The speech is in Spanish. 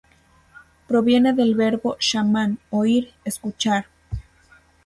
Proviene del verbo shaman, "oír, escuchar".